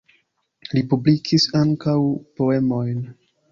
Li publikis ankaŭ poemojn.